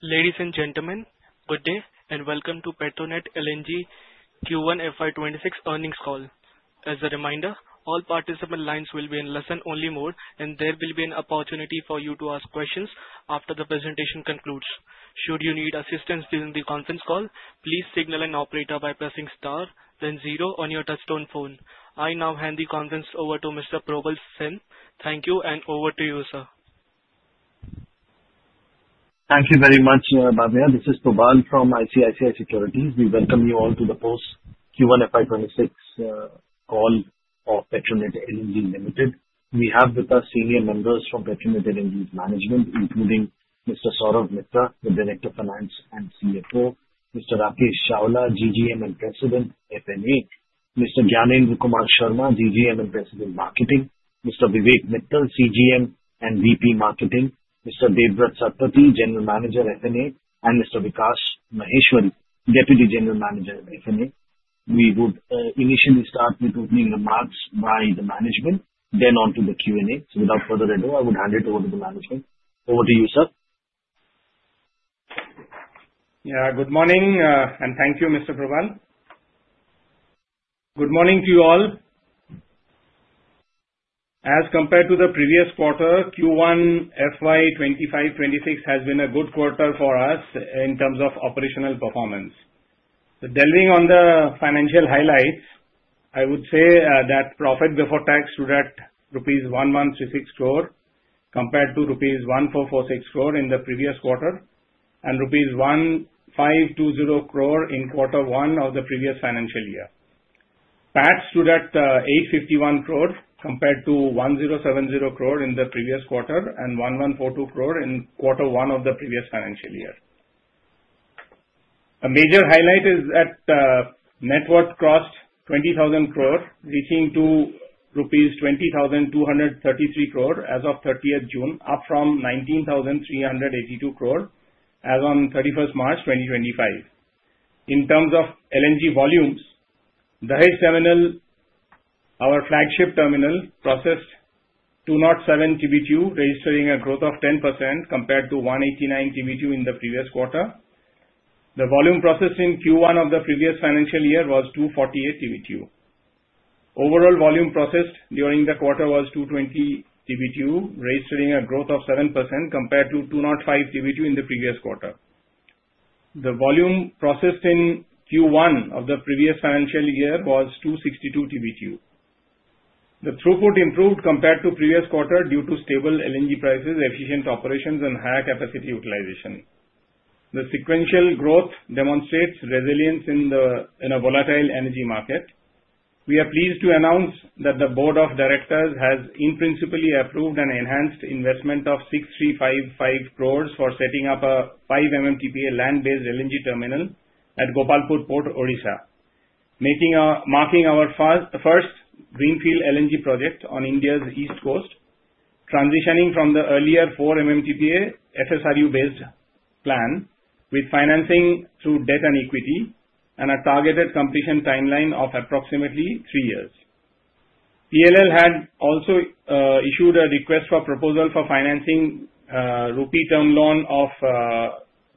Ladies and gentlemen, good day and welcome to Petronet LNG Q1 FY26 earnings call. As a reminder, all participant lines will be in listen-only mode, and there will be an opportunity for you to ask questions after the presentation concludes. Should you need assistance during the conference call, please signal an operator by pressing star, then zero on your touch-tone phone. I now hand the conference over to Mr. Probal Sen. Thank you, and over to you, sir. Thank you very much, Bhavya. This is Probal from ICICI Securities. We welcome you all to the post-Q1 FY26 call of Petronet LNG Limited. We have with us senior members from Petronet LNG's management, including Mr. Saurabh Mittal, the Director of Finance and CFO. Mr. Rakesh Chawla, GGM and President, FNA. Mr. Gyanendra Kumar Sharma, GGM and President, Marketing. Mr. Vivek Mittal, CGM and VP Marketing. Mr. Debabrata Satpathy, General Manager, FNA. And Mr. Vikash Maheswari, Deputy General Manager, FNA. We would initially start with opening remarks by the management, then on to the Q&A. So without further ado, I would hand it over to the management. Over to you, sir. Yeah, good morning, and thank you, Mr. Probal. Good morning to you all. As compared to the previous quarter, Q1 FY25-26 has been a good quarter for us in terms of operational performance. Delving on the financial highlights, I would say that profit before tax stood at rupees 136 crore compared to rupees 1446 crore in the previous quarter, and rupees 1520 crore in quarter one of the previous financial year. PAT stood at 851 crore compared to 1070 crore in the previous quarter, and 1142 crore in quarter one of the previous financial year. A major highlight is that net worth crossed 20,000 crore, reaching to rupees 20,233 crore as of 30th June, up from 19,382 crore as of 31st March 2025. In terms of LNG volumes, Dahej terminal, our flagship terminal, processed 207 TBTU, registering a growth of 10% compared to 189 TBTU in the previous quarter. The volume processed in Q1 of the previous financial year was 248 TBTU. Overall volume processed during the quarter was 220 TBTU, registering a growth of 7% compared to 205 TBTU in the previous quarter. The volume processed in Q1 of the previous financial year was 262 TBTU. The throughput improved compared to the previous quarter due to stable LNG prices, efficient operations, and higher capacity utilization. The sequential growth demonstrates resilience in a volatile energy market. We are pleased to announce that the Board of Directors has in principle approved and enhanced investment of ₹6355 crores for setting up a 5 MMTPA land-based LNG terminal at Gopalpur Port, Odisha, marking our first greenfield LNG project on India's east coast, transitioning from the earlier 4 MMTPA FSRU-based plan with financing through debt and equity and a targeted completion timeline of approximately three years. PLL had also issued a request for proposal for financing a rupee term loan of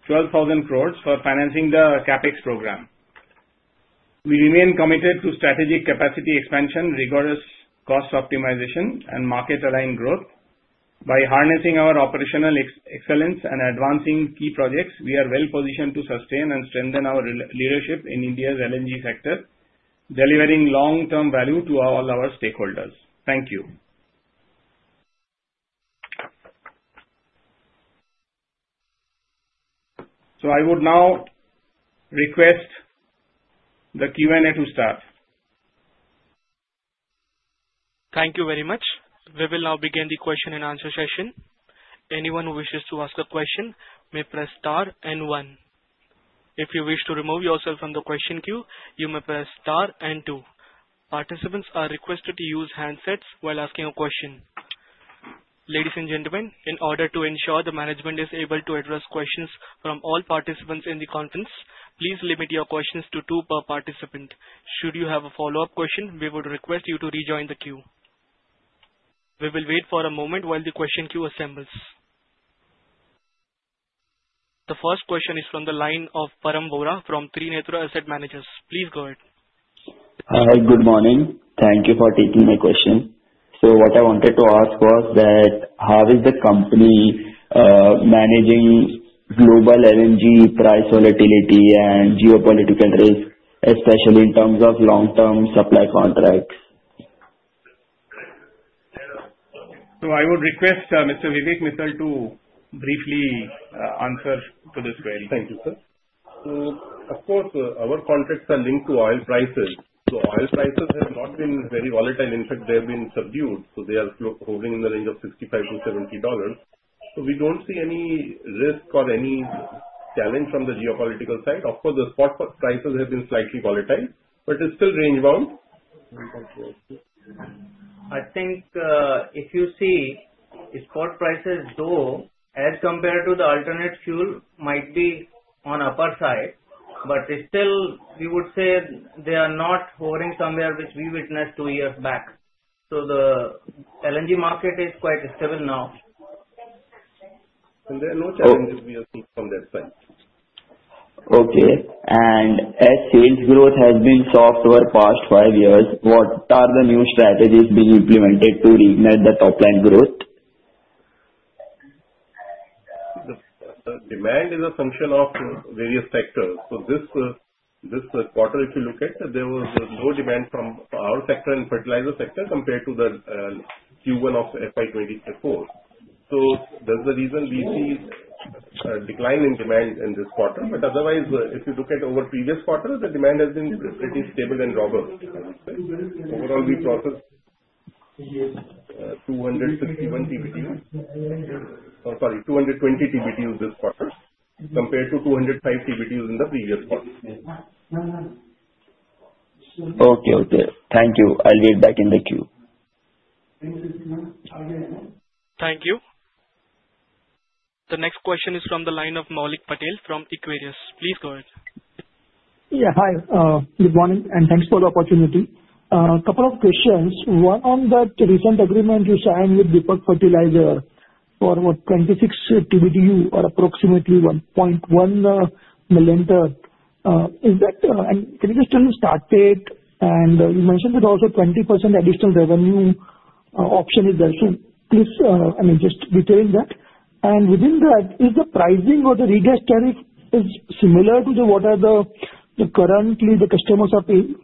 12,000 crore for financing the CAPEX program. We remain committed to strategic capacity expansion, rigorous cost optimization, and market-aligned growth. By harnessing our operational excellence and advancing key projects, we are well positioned to sustain and strengthen our leadership in India's LNG sector, delivering long-term value to all our stakeholders. Thank you. I would now request the Q&A to start. Thank you very much. We will now begin the question and answer session. Anyone who wishes to ask a question may press star and one. If you wish to remove yourself from the question queue, you may press star and two. Participants are requested to use handsets while asking a question. Ladies and gentlemen, in order to ensure the management is able to address questions from all participants in the conference, please limit your questions to two per participant. Should you have a follow-up question, we would request you to rejoin the queue. We will wait for a moment while the question queue assembles. The first question is from the line of Param Vora from Trinetra Asset Management. Please go ahead. Good morning. Thank you for taking my question. So what I wanted to ask was that how is the company managing global LNG price volatility and geopolitical risk, especially in terms of long-term supply contracts? So I would request Mr. Vivek Mittal to briefly answer to this query. Thank you, sir. So of course, our contracts are linked to oil prices. So oil prices have not been very volatile. In fact, they have been subdued. So they are holding in the range of $65-$70. So we don't see any risk or any challenge from the geopolitical side. Of course, the spot prices have been slightly volatile, but it's still range-bound. I think if you see spot prices though, as compared to the alternate fuel, might be on the upper side, but still we would say they are not hovering somewhere which we witnessed two years back. So the LNG market is quite stable now. So there are no challenges we are seeing from that side. Okay. And as sales growth has been soft over the past five years, what are the new strategies being implemented to reignite the top-line growth? The demand is a function of various factors. So this quarter, if you look at it, there was no demand from our sector and fertilizer sector compared to the Q1 of FY24. So that's the reason we see a decline in demand in this quarter. But otherwise, if you look at over the previous quarter, the demand has been pretty stable and robust. Overall, we processed 261 TBTU, sorry, 220 TBTU this quarter compared to 205 TBTU in the previous quarter. Okay, okay. Thank you. I'll wait back in the queue. Thank you. The next question is from the line of Maulik Patel from Equirus Securities. Please go ahead. Yeah, hi. Good morning and thanks for the opportunity. A couple of questions. One on that recent agreement you signed with Deepak Fertilisers for what, 26 TBTU or approximately 1.1 million. Is that and can you just tell me start date? And you mentioned that also 20% additional revenue option is there. So please, I mean, just detail that. And within that, is the pricing or the regas tariff similar to what the current customers are paying?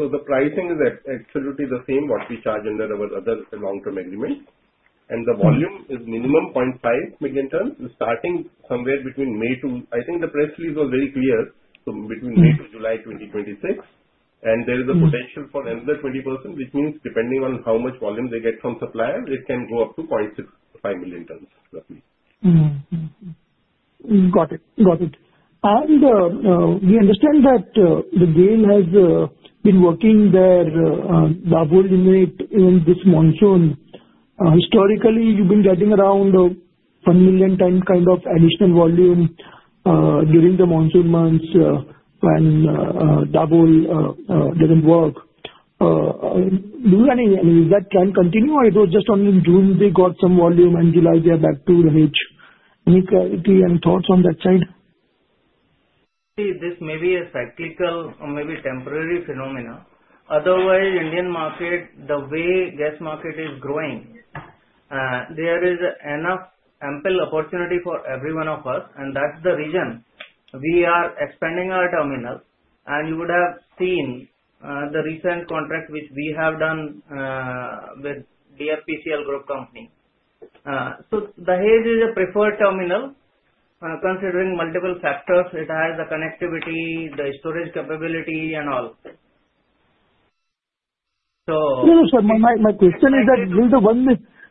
So the pricing is absolutely the same what we charge under our other long-term agreement. And the volume is minimum 0.5 million tons. We're starting somewhere between May to I think the press release was very clear. So between May to July 2026. And there is a potential for another 20%, which means depending on how much volume they get from suppliers, it can go up to 0.65 million tons, roughly. Got it. Got it. And we understand that Dahej has been working there, Dabhol, in this monsoon. Historically, you've been getting around one million ton kind of additional volume during the monsoon months when Dabhol doesn't work. Do you have any—I mean, is that trend continue, or it was just only in June they got some volume and July they are back to the average? Any clarity and thoughts on that side? See, this may be a cyclical or maybe temporary phenomena. Otherwise, Indian market, the way the gas market is growing, there is enough ample opportunity for every one of us. And that's the reason we are expanding our terminal. And you would have seen the recent contract which we have done with DFPCL Group Company. So Dahej is a preferred terminal considering multiple factors. It has the connectivity, the storage capability, and all. So. No, no, sir. My question is that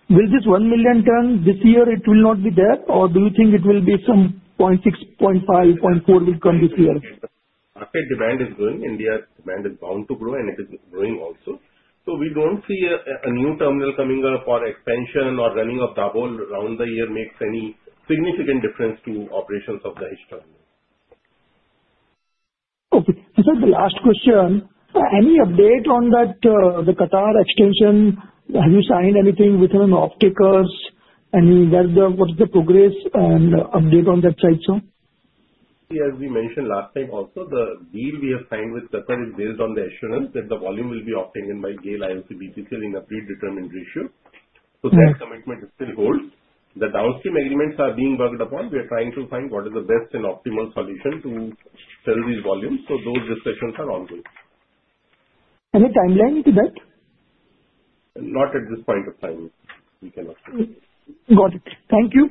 will this one million tonne this year, it will not be there, or do you think it will be some 0.6, 0.5, 0.4 will come this year? Market demand is growing. India's demand is bound to grow, and it is growing also. So we don't see a new terminal coming up for expansion or running of Dabhol around the year makes any significant difference to operations of the Dahej terminal. Okay. So the last question, any update on that Qatar extension? Have you signed anything with them? Off-takers? And what is the progress and update on that side, sir? As we mentioned last time also, the deal we have signed with Qatar is based on the assurance that the volume will be obtained by GAIL, IOC, BPCL in a predetermined ratio. So that commitment still holds. The downstream agreements are being worked upon. We are trying to find what is the best and optimal solution to sell these volumes. So those discussions are ongoing. Any timeline to that? Not at this point of time. We cannot. Got it. Thank you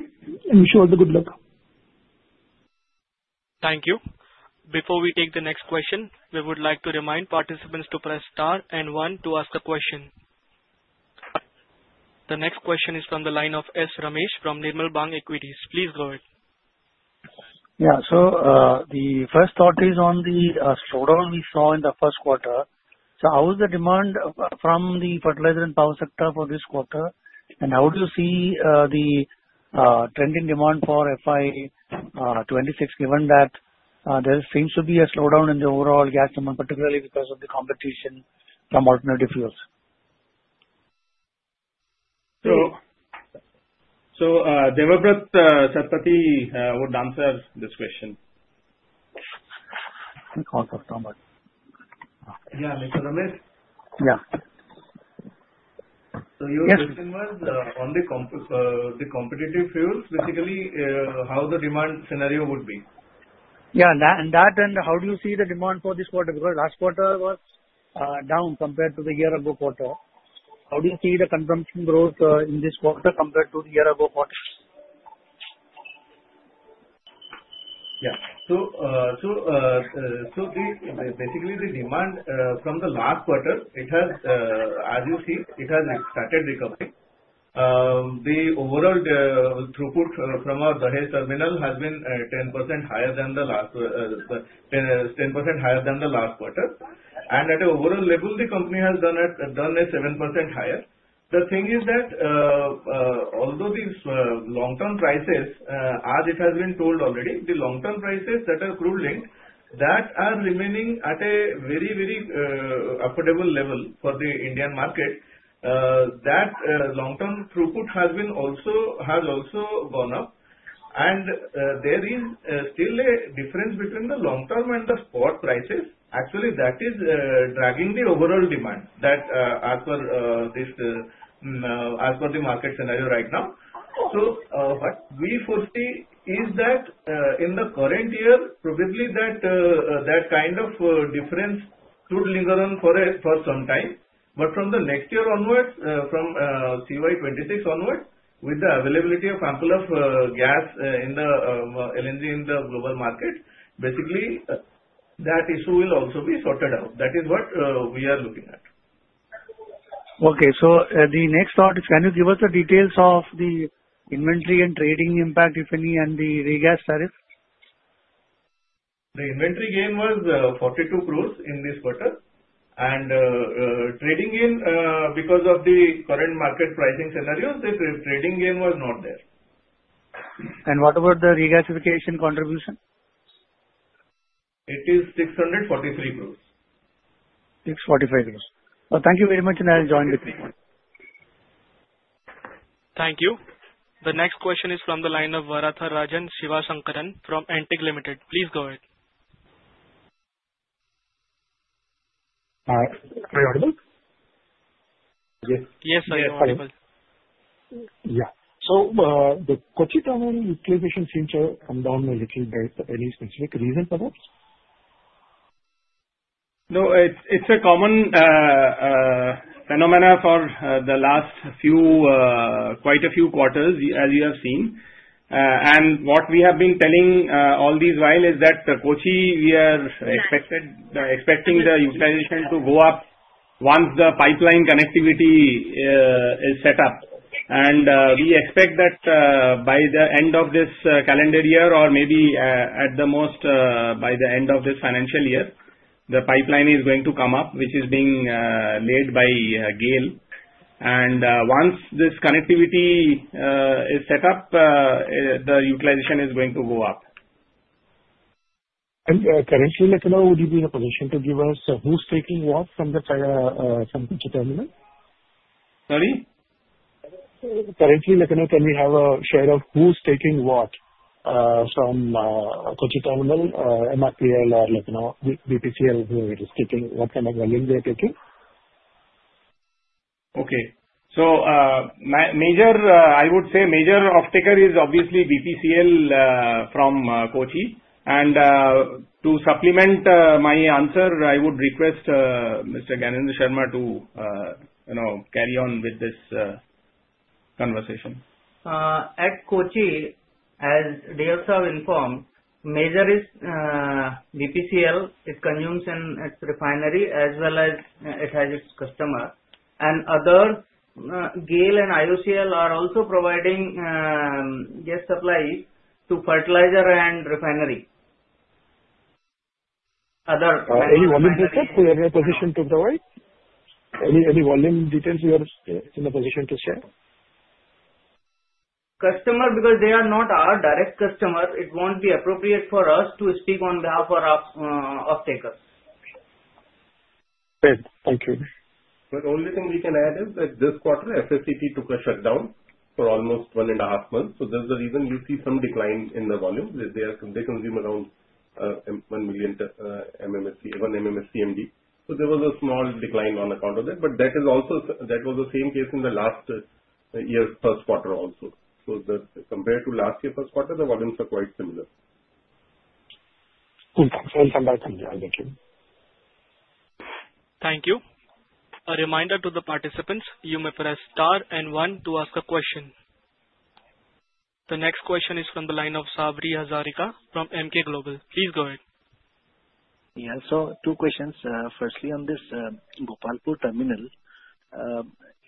and wish you all the good luck. Thank you. Before we take the next question, we would like to remind participants to press star and one to ask a question. The next question is from the line of S. Ramesh from Nirmal Bang Equities. Please go ahead. Yeah. So the first thought is on the slowdown we saw in the first quarter. So how is the demand from the fertilizer and power sector for this quarter? And how do you see the trending demand for FY26 given that there seems to be a slowdown in the overall gas demand, particularly because of the competition from alternative fuels? So Debabrata Satapathy would answer this question. Yeah, Mr. Ramesh? Yeah. So your question was on the competitive fuels, basically how the demand scenario would be. Yeah. And that, and how do you see the demand for this quarter? Because last quarter was down compared to the year-ago quarter. How do you see the consumption growth in this quarter compared to the year-ago quarter? Yeah. So basically, the demand from the last quarter, as you see, it has started recovering. The overall throughput from our Dahej terminal has been 10% higher than the last quarter. And at an overall level, the company has done a 7% higher. The thing is that although these long-term prices, as it has been told already, the long-term prices that are crude-linked, that are remaining at a very, very affordable level for the Indian market, that long-term throughput has also gone up. And there is still a difference between the long-term and the spot prices. Actually, that is dragging the overall demand as per the market scenario right now. So what we foresee is that in the current year, probably that kind of difference could linger on for some time. But from the next year onwards, from CY26 onwards, with the availability of ample LNG in the global market, basically that issue will also be sorted out. That is what we are looking at. Okay. So the next thought is, can you give us the details of the inventory and trading impact, if any, and the regas tariff? The inventory gain was 42 crore in this quarter, and trading gain, because of the current market pricing scenario, the trading gain was not there. What about the regasification contribution? It is 643 crores. 645 crores. Thank you very much, and I'll join with you. Thank you. The next question is from the line of Varatharajan Sivasankaran from Antique Stock Broking. Please go ahead. Hi. Are you audible? Yes. Yes, sir. You're audible. Yeah. So the Kochi terminal utilization seems to have come down a little bit. Any specific reason for that? No, it's a common phenomenon for the last quite a few quarters, as you have seen, and what we have been telling all this while is that Kochi, we are expecting the utilization to go up once the pipeline connectivity is set up, and we expect that by the end of this calendar year, or maybe at the most by the end of this financial year, the pipeline is going to come up, which is being laid by GAIL, and once this connectivity is set up, the utilization is going to go up. Currently, can you be in a position to give us who's taking what from the Kochi terminal? Sorry? Currently, can you have a share of who's taking what from Kochi terminal, MRPL, or BPCL, who is taking what kind of volume they are taking? Okay. So I would say major offtaker is obviously BPCL from Kochi. And to supplement my answer, I would request Mr. Gyanendra Sharma to carry on with this conversation. At Kochi, as they also have informed, major is BPCL, its consumption refinery, as well as it has its customer. And other, GAIL and IOCL are also providing gas supplies to fertilizer and refinery. Other. Any volume details? Whoever is in a position to provide. Any volume details you are in a position to share? Customer, because they are not our direct customer, it won't be appropriate for us to speak on behalf of our off-taker. Thank you. But the only thing we can add is that this quarter, FACT took a shutdown for almost one and a half months. So that's the reason you see some decline in the volume. They consume around one million MMSCMD. So there was a small decline on account of that. But that was the same case in the last year's first quarter also. So compared to last year's first quarter, the volumes are quite similar. Thank you. Thank you. A reminder to the participants, you may press star and one to ask a question. The next question is from the line of Sabri Hazarika from Emkay Global Financial Services. Please go ahead. Yeah. So two questions. Firstly, on this Gopalpur terminal,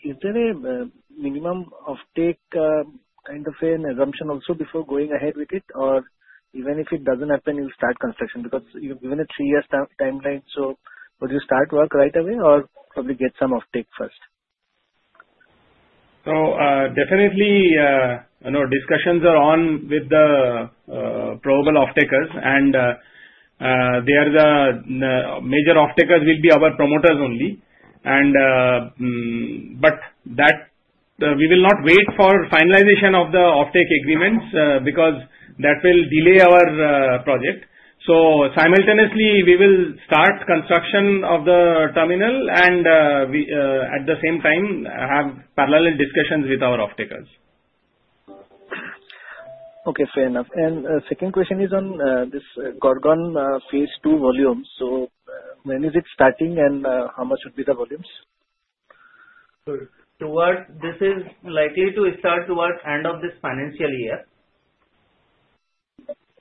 is there a minimum offtake kind of an assumption also before going ahead with it? Or even if it doesn't happen, you'll start construction? Because you've given a three-year timeline. So would you start work right away or probably get some offtake first? So definitely, discussions are on with the probable offtakers. And the major offtakers will be our promoters only. But we will not wait for finalization of the offtake agreements because that will delay our project. So simultaneously, we will start construction of the terminal and at the same time have parallel discussions with our offtakers. Okay. Fair enough. The second question is on this Gorgon Phase 2 volumes. When is it starting and how much would be the volumes? This is likely to start towards the end of this financial year.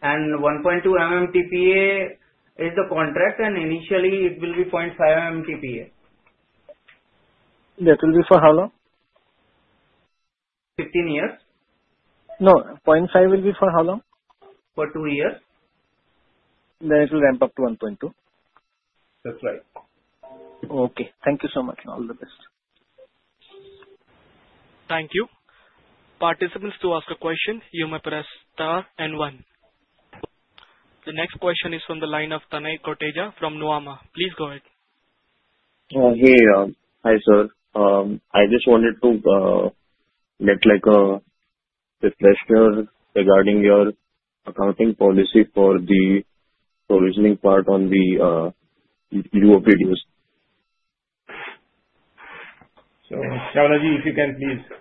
And 1.2 MMTPA is the contract. And initially, it will be 0.5 MMTPA. That will be for how long? 15 years. No. 0.5 will be for how long? For two years. It will ramp up to 1.2. That's right. Okay. Thank you so much. All the best. Thank you. Participants, to ask a question, you may press star and one. The next question is from the line of Tanay Koteja from Nuvama. Please go ahead. Hey, hi sir. I just wanted to make a refresher regarding your accounting policy for the provisioning part on the UOPDs. So, Saurabh, if you can, please.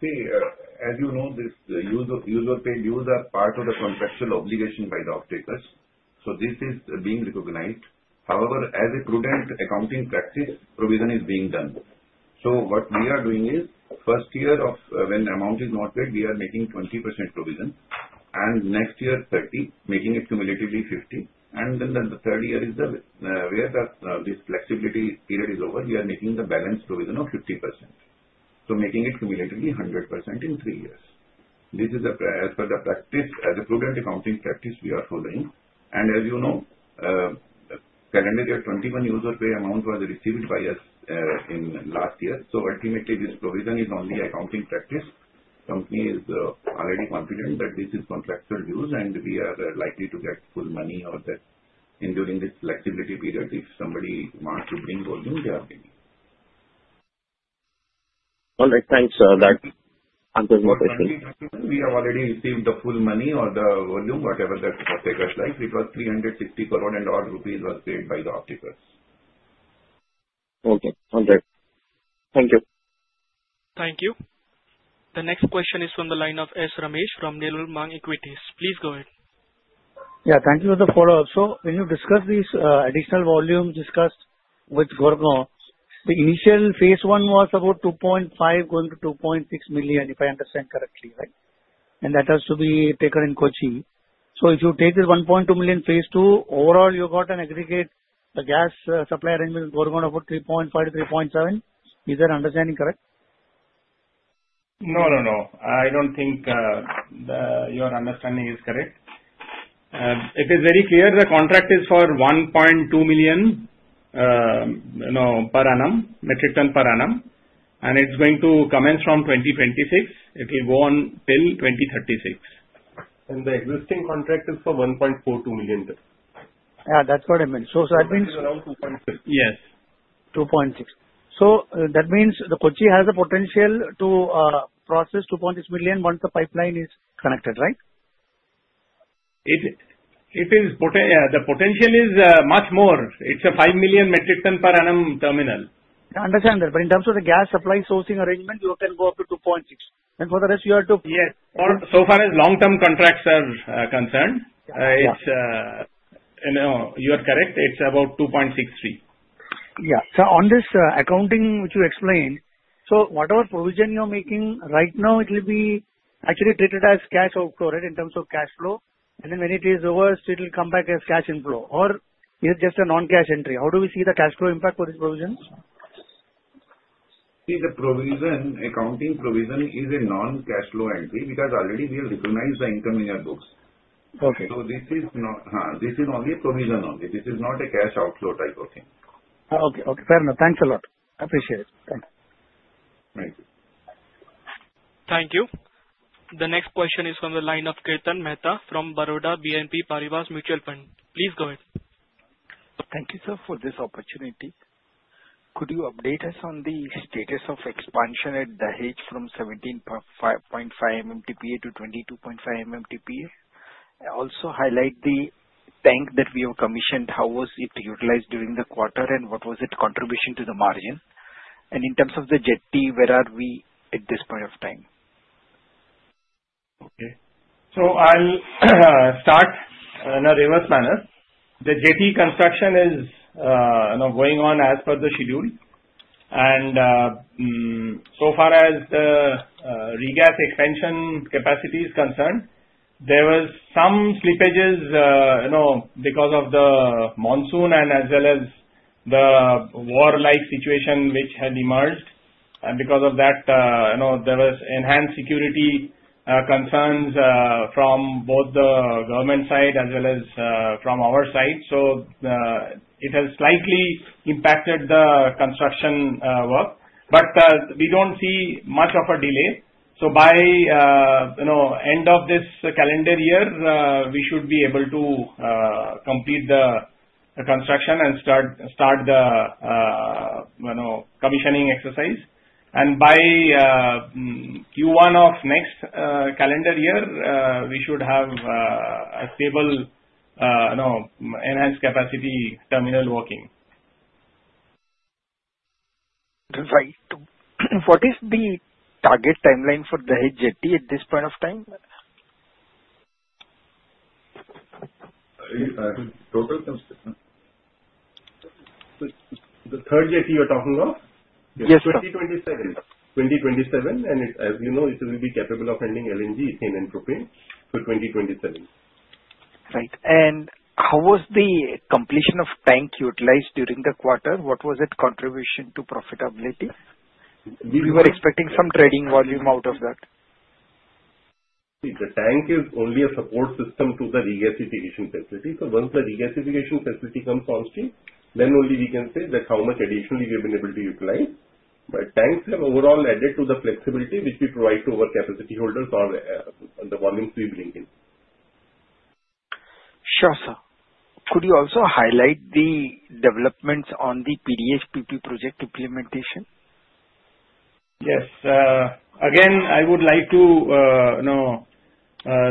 See, as you know, the use-or-pay dues are part of the contractual obligation by the off-takers. So this is being recognized. However, as a prudent accounting practice, provision is being done. So what we are doing is, first year when the amount is not paid, we are making 20% provision. And next year, 30%, making it cumulatively 50%. And then the third year is where this flexibility period is over, we are making the balance provision of 50%. So making it cumulatively 100% in three years. This is as per the practice, as a prudent accounting practice, we are following. And as you know, calendar year 2021 use-or-pay amount was received by us in last year. So ultimately, this provision is only accounting practice. The company is already confident that this is contractual dues, and we are likely to get full money during this flexibility period. If somebody wants to bring volume, they are bringing. All right. Thanks. That answers my question. We have already received the full money or the volume, whatever the off-takers like, because 360 crore and odd rupees was paid by the off-takers. Okay. All right. Thank you. Thank you. The next question is from the line of S. Ramesh from Nirmal Bang Equities. Please go ahead. Yeah. Thank you for the follow-up. So when you discuss these additional volumes discussed with Gorgon, the initial Phase 1 was about 2.5-2.6 million, if I understand correctly, right? And that has to be taken in Kochi. So if you take the 1.2 million Phase 2, overall, you got an aggregate gas supply arrangement with Gorgon of about 3.5-3.7. Is that understanding correct? No, no, no. I don't think your understanding is correct. It is very clear the contract is for 1.2 million per annum, metric ton per annum. And it's going to commence from 2026. It will go on till 2036. And the existing contract is for 1.42 million. Yeah. That's what I meant. So that means. Yes. 2.6. So that means the Kochi has the potential to process 2.6 million once the pipeline is connected, right? The potential is much more. It's a five million metric tonne per annum terminal. I understand that. But in terms of the gas supply sourcing arrangement, you can go up to 2.6. And for the rest, you are to. Yes. So far as long-term contracts are concerned, you are correct. It's about 2.63. Yeah. So on this accounting which you explained, so whatever provision you're making right now, it will be actually treated as cash outflow, right, in terms of cash flow. And then when it is over, it will come back as cash inflow. Or is it just a non-cash entry? How do we see the cash flow impact for this provision? See, the accounting provision is a non-cash flow entry because already we have recognized the income in your books. So this is only a provision only. This is not a cash outflow type of thing. Okay. Okay. Fair enough. Thanks a lot. Appreciate it. Thanks. Thank you. Thank you. The next question is from the line of Kirtan Mehta from Baroda BNP Paribas Mutual Fund. Please go ahead. Thank you, sir, for this opportunity. Could you update us on the status of expansion at Dahej from 17.5 MMTPA to 22.5 MMTPA? Also highlight the tank that we have commissioned. How was it utilized during the quarter? And what was its contribution to the margin? And in terms of the jetty, where are we at this point of time? Okay. So I'll start in a reverse manner. The jetty construction is going on as per the schedule. And so far as the regas expansion capacity is concerned, there were some slippages because of the monsoon and as well as the war-like situation which had emerged. And because of that, there were enhanced security concerns from both the government side as well as from our side. So it has slightly impacted the construction work. But we don't see much of a delay. So by the end of this calendar year, we should be able to complete the construction and start the commissioning exercise. And by Q1 of next calendar year, we should have a stable, enhanced capacity terminal working. Right. What is the target timeline for the jetty at this point of time? The third jetty you're talking of? Yes, sir. 2027. And as you know, it will be capable of handling LNG, ethane, and propane for 2027. Right. And how was the completion of tank utilized during the quarter? What was its contribution to profitability? We were expecting some trading volume out of that. See, the tank is only a support system to the regasification facility. Once the regasification facility comes on stream, then only we can say how much additionally we have been able to utilize. Tanks have overall added to the flexibility which we provide to our capacity holders or the volumes we bring in. Sure, sir. Could you also highlight the developments on the PDH-PP project implementation? Yes. Again, I would like to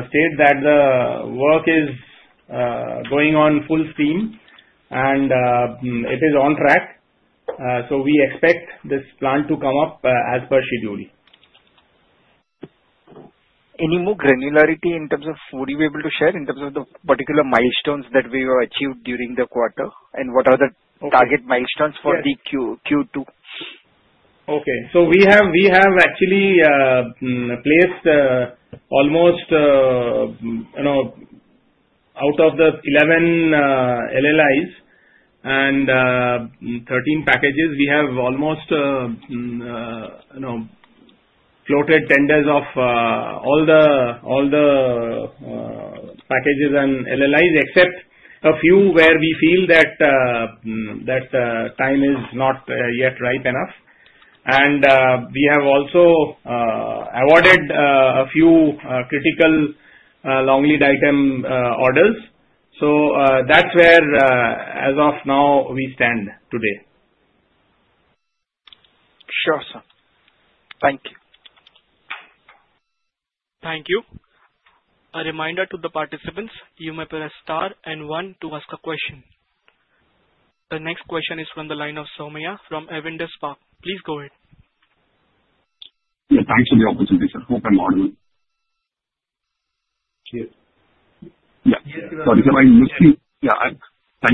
state that the work is going on full steam, and it is on track, so we expect this plan to come up as per schedule. Any more granularity in terms of what you were able to share in terms of the particular milestones that we have achieved during the quarter? And what are the target milestones for the Q2? Okay. So we have actually placed almost out of the 11 LLIs and 13 packages. We have almost floated tenders of all the packages and LLIs except a few where we feel that the time is not yet ripe enough. And we have also awarded a few critical long lead item orders. So that's where, as of now, we stand today. Sure, sir. Thank you. Thank you. A reminder to the participants, you may press star and one to ask a question. The next question is from the line of Somaiya from Avendus Spark. Please go ahead. Yeah. Thanks for the opportunity. I hope I'm audible. Cheers. Sorry. I missed you. Thank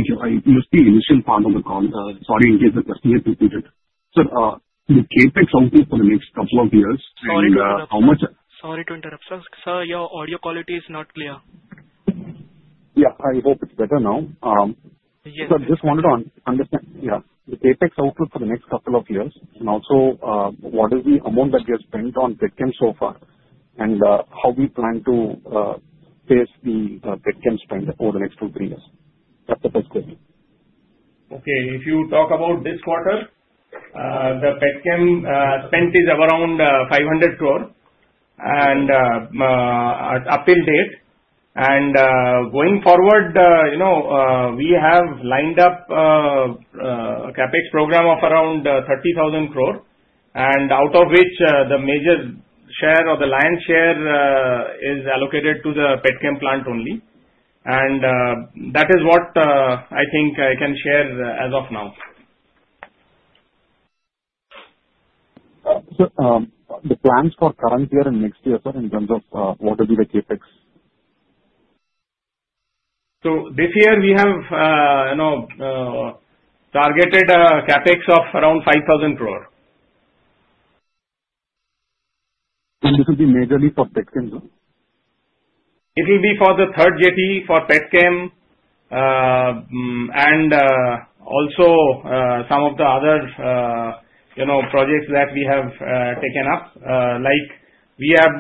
you. I missed the initial part of the call. Sorry in case the question gets repeated. Sir, the CAPEX outlook for the next couple of years. And how much? Sorry to interrupt. Sir, your audio quality is not clear. Yeah. I hope it's better now. Sir, just wanted to understand. Yeah. The CAPEX outlook for the next couple of years and also what is the amount that we have spent on PETCHEM so far, and how we plan to face the PETCHEM spend over the next two, three years. That's the first question. Okay. If you talk about this quarter, the PETCHEM spend is around 500 crore up till date. And going forward, we have lined up a CAPEX program of around 30,000 crore. And out of which, the major share or the lion's share is allocated to the PETCHEM plant only. And that is what I think I can share as of now. Sir, the plans for current year and next year, sir, in terms of what will be the CAPEX? This year, we have targeted CAPEX of around 5,000 crore. This will be majorly for PETCHEM, sir? It will be for the third jetty for petchem and also some of the other projects that we have taken up. We have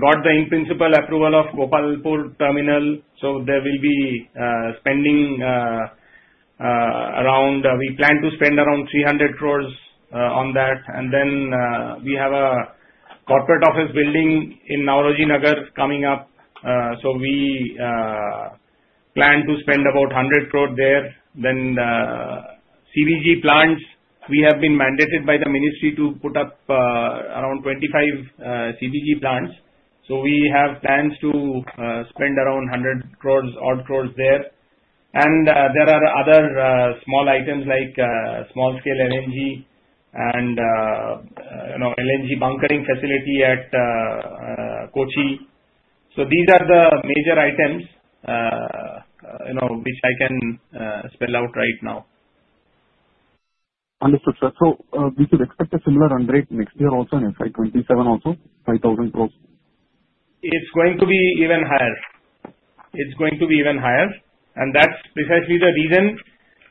got the in-principle approval of Gopalpur terminal. We plan to spend around 300 crore on that. Then we have a corporate office building in Nauroji Nagar coming up. We plan to spend about 100 crore there. Then CBG plants, we have been mandated by the ministry to put up around 25 CBG plants. We have plans to spend around 100 crore there. There are other small items like small-scale LNG and LNG bunkering facility at Kochi. These are the major items which I can spell out right now. Understood, sir. So we should expect a similar underwrite next year also in FY 2027 also, 5,000 crore? It's going to be even higher. It's going to be even higher. And that's precisely the reason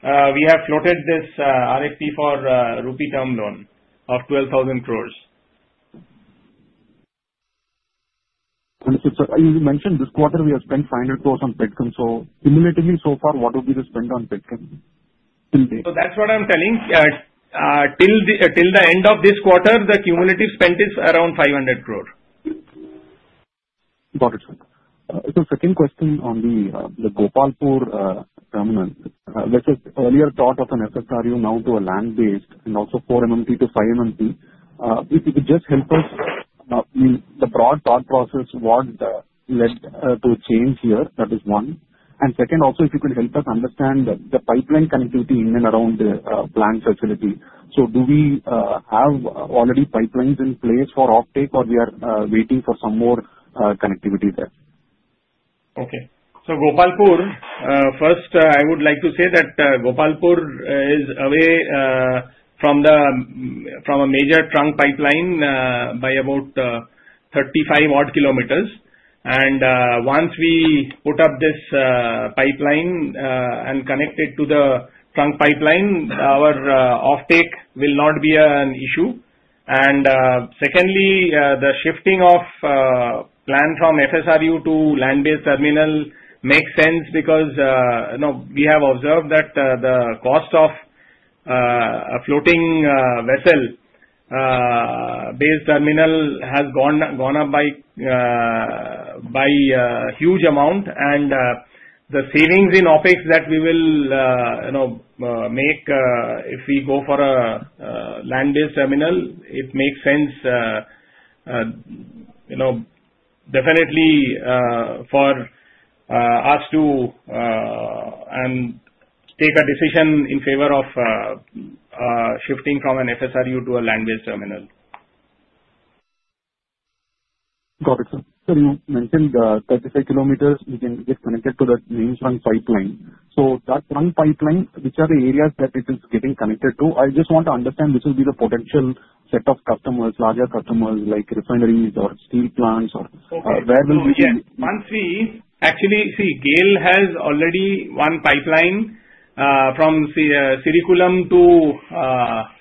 we have floated this RFP for rupee term loan of 12,000 crores. Understood, sir. You mentioned this quarter, we have spent 500 crores on PETCHEM. So cumulatively, so far, what will be the spend on PETCHEM? So that's what I'm telling. Till the end of this quarter, the cumulative spend is around 500 crore. Got it, sir. So second question on the Gopalpur terminal. There's this earlier thought of an FSRU now to a land-based and also 4 MMT to 5 MMT. If you could just help us, I mean, the broad thought process, what led to a change here? That is one. And second, also, if you could help us understand the pipeline connectivity in and around the plant facility. So do we have already pipelines in place for offtake, or we are waiting for some more connectivity there? Okay. So, Gopalpur, first, I would like to say that Gopalpur is away from a major trunk pipeline by about 35 odd kilometers. And once we put up this pipeline and connect it to the trunk pipeline, our offtake will not be an issue. And secondly, the shifting of plan from FSRU to land-based terminal makes sense because we have observed that the cost of a floating vessel-based terminal has gone up by a huge amount. And the savings in OpEx that we will make if we go for a land-based terminal, it makes sense definitely for us to take a decision in favor of shifting from an FSRU to a land-based terminal. Got it, sir. So you mentioned 35 kilometers you can get connected to that main trunk pipeline. So that trunk pipeline, which are the areas that it is getting connected to? I just want to understand which will be the potential set of customers, larger customers like refineries or steel plants or where will we be? Once we actually, see, GAIL has already one pipeline from Srikakulam to.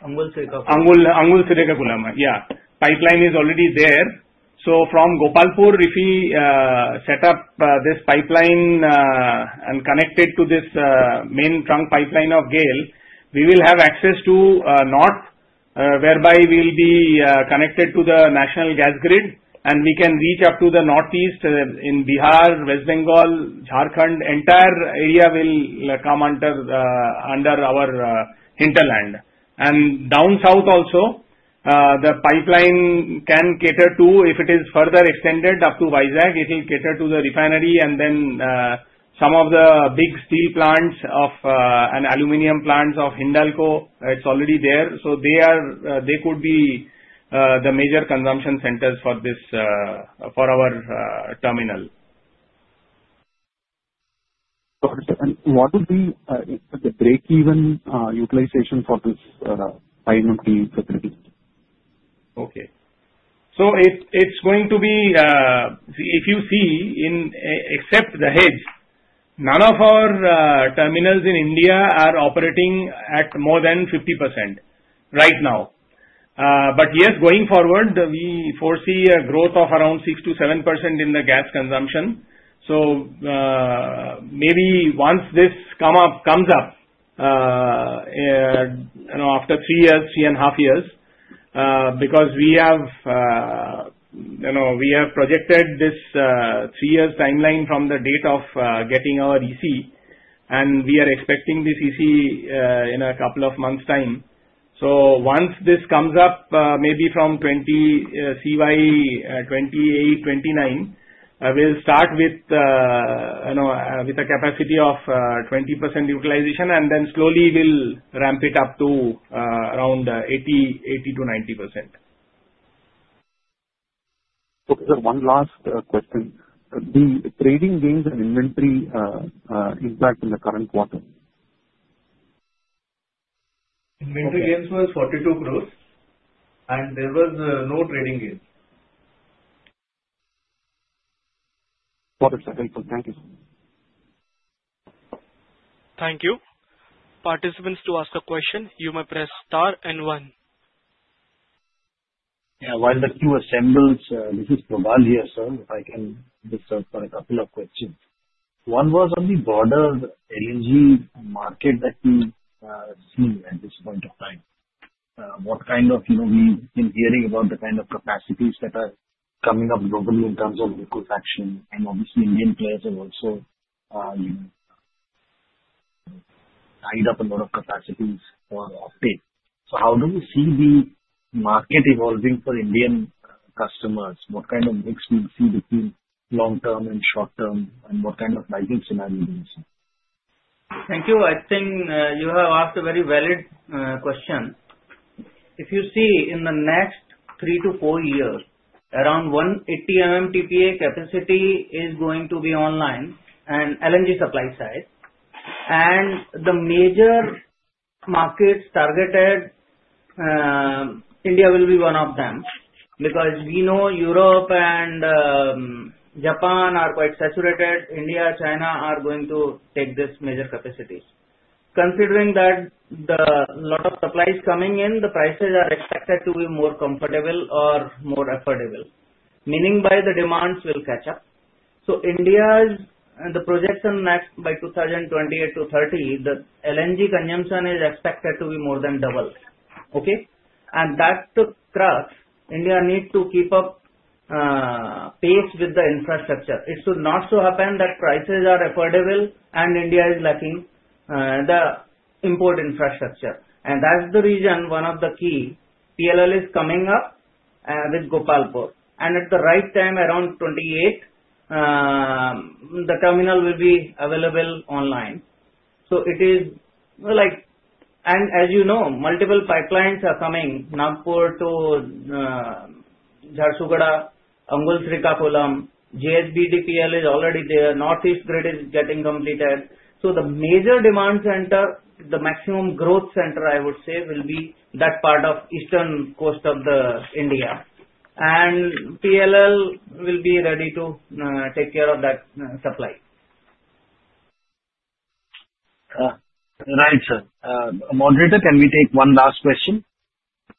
Angulserika Kulam. Angul, Srikakulam. Yeah. Pipeline is already there. So from Gopalpur, if we set up this pipeline and connect it to this main trunk pipeline of GAIL, we will have access to north whereby we'll be connected to the national gas grid. And we can reach up to the northeast in Bihar, West Bengal, Jharkhand. Entire area will come under our hinterland. And down south also, the pipeline can cater to, if it is further extended up to Visakhapatnam, it will cater to the refinery and then some of the big steel plants and aluminum plants of Hindalco. It's already there. So they could be the major consumption centers for our terminal. Got it. And what will be the break-even utilization for this 5 MMT facility? Okay. So it's going to be, if you see, except Dahej, none of our terminals in India are operating at more than 50% right now. But yes, going forward, we foresee a growth of around 6%-7% in the gas consumption. So maybe once this comes up after three years, three and a half years, because we have projected this three-year timeline from the date of getting our EC. And we are expecting this EC in a couple of months' time. So once this comes up, maybe from CY 2028, 2029, we'll start with a capacity of 20% utilization and then slowly we'll ramp it up to around 80%-90%. Okay, sir. One last question. The trading gains and inventory impact in the current quarter? Inventory gains were INR 42 crores. There was no trading gains. Got it, sir. Helpful. Thank you, sir. Thank you. Participants, to ask a question, you may press star and one. Yeah. While the queue assembles, this is Probal here, sir. I can answer a couple of questions. One was on the broader LNG market that we are seeing at this point of time. What kind of we've been hearing about the kind of capacities that are coming up globally in terms of liquefaction. And obviously, Indian players have also tied up a lot of capacities for offtake. So how do we see the market evolving for Indian customers? What kind of mix do you see between long-term and short-term? And what kind of pricing scenario do you see? Thank you. I think you have asked a very valid question. If you see in the next three to four years, around 180 MMTPA capacity is going to be online and LNG supply side. And the major markets targeted, India will be one of them because we know Europe and Japan are quite saturated. India, China are going to take these major capacities. Considering that a lot of supplies coming in, the prices are expected to be more comfortable or more affordable, meaning that the demands will catch up. So India's projection next by 2028 to 2030, the LNG consumption is expected to be more than double. Okay? And that fact, India needs to keep pace with the infrastructure. It should not so happen that prices are affordable and India is lacking the import infrastructure. And that's the reason one of the key PLL is coming up with Gopalpur. And at the right time, around 28, the terminal will be available online. So it is like, and as you know, multiple pipelines are coming, Nagpur to Jharsuguda, Angul, Srikakulam. JHBDPL is already there. Northeast grid is getting completed. So the major demand center, the maximum growth center, I would say, will be that part of eastern coast of India. And PLL will be ready to take care of that supply. All right, sir. Moderator, can we take one last question?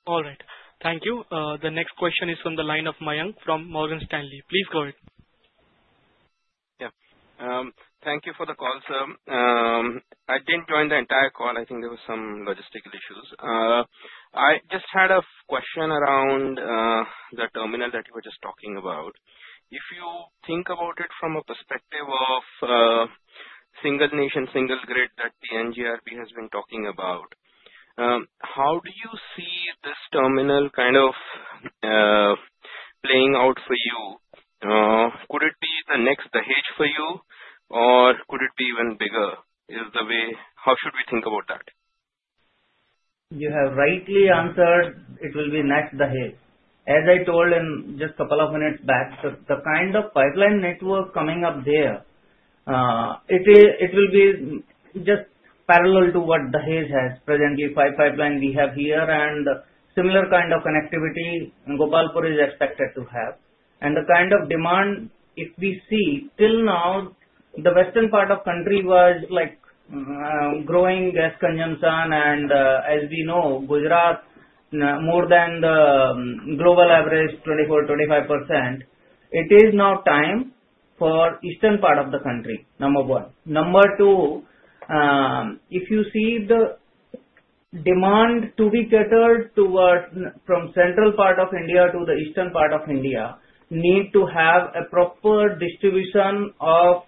All right. Thank you. The next question is from the line of Mayank from Morgan Stanley. Please go ahead. Yeah. Thank you for the call, sir. I didn't join the entire call. I think there were some logistical issues. I just had a question around the terminal that you were just talking about. If you think about it from a perspective of single nation, single grid that the PNGRB has been talking about, how do you see this terminal kind of playing out for you? Could it be the next Dahej for you, or could it be even bigger? How should we think about that? You have rightly answered. It will be next Dahej. As I told in just a couple of minutes back, the kind of pipeline network coming up there, it will be just parallel to what Dahej has presently, five pipelines we have here and similar kind of connectivity Gopalpur is expected to have. And the kind of demand, if we see, till now, the western part of the country was growing gas consumption. And as we know, Gujarat, more than the global average, 24%-25%. It is now time for eastern part of the country, number one. Number two, if you see the demand to be catered from central part of India to the eastern part of India, need to have a proper distribution of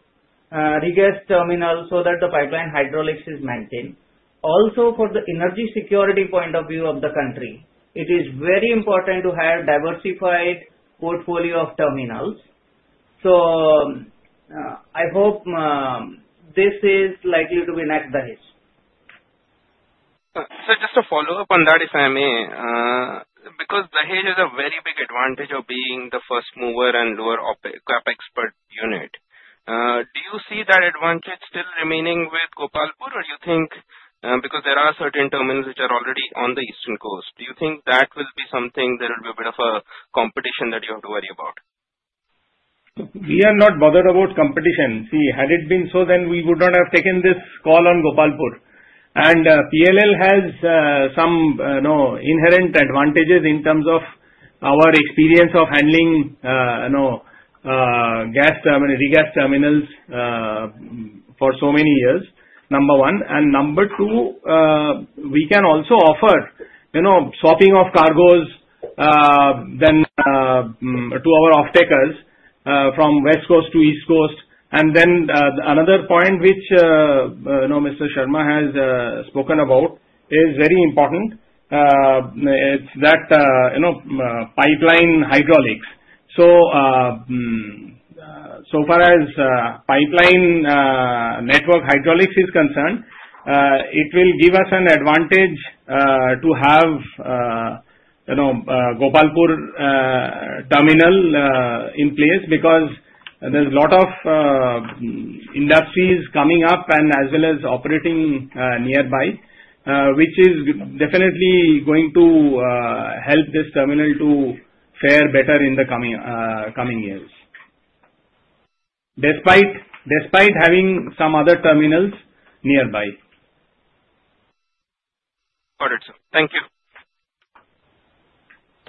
regasification terminals so that the pipeline hydraulics is maintained. Also for the energy security point of view of the country, it is very important to have diversified portfolio of terminals. So I hope this is likely to be next Dahej. Sir, just to follow up on that, if I may, because Dahej is a very big advantage of being the first mover and lower CapEx per unit. Do you see that advantage still remaining with Gopalpur, or do you think, because there are certain terminals which are already on the eastern coast, do you think that will be something there will be a bit of a competition that you have to worry about? We are not bothered about competition. See, had it been so, then we would not have taken this call on Gopalpur. And PLL has some inherent advantages in terms of our experience of handling regas terminals for so many years, number one. And number two, we can also offer swapping of cargoes then to our offtakers from west coast to east coast. And then another point which Mr. Sharma has spoken about is very important. It's that pipeline hydraulics. So far as pipeline network hydraulics is concerned, it will give us an advantage to have Gopalpur terminal in place because there's a lot of industries coming up and as well as operating nearby, which is definitely going to help this terminal to fare better in the coming years, despite having some other terminals nearby. Got it, sir. Thank you.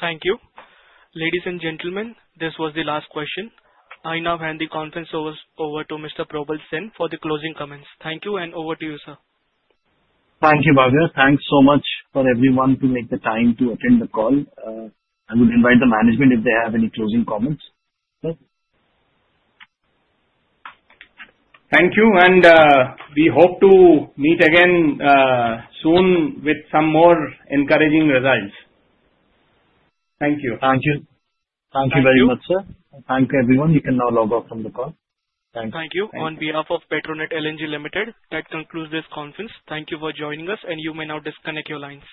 Thank you. Ladies and gentlemen, this was the last question. I now hand the conference over to Mr. Probal Sen for the closing comments. Thank you, and over to you, sir. Thank you, Bhavya. Thanks so much for everyone to make the time to attend the call. I would invite the management if they have any closing comments. Thank you. And we hope to meet again soon with some more encouraging results. Thank you. Thank you. Thank you very much, sir. Thank you, everyone. You can now log off from the call. Thank you. Thank you. On behalf of Petronet LNG Limited, that concludes this conference. Thank you for joining us, and you may now disconnect your lines.